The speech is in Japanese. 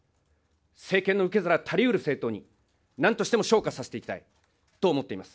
政権の受け皿たりうる政党になんとしても昇華させていきたいと思っています。